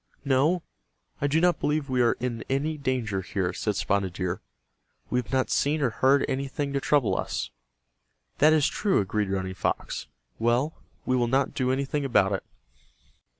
"No, I do not believe we are in any danger here," said Spotted Deer. "We have not seen or heard anything to trouble us." "That is true," agreed Running Fox. "Well, we will not do anything about it."